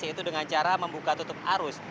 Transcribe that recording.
yaitu dengan cara membuka tutup arus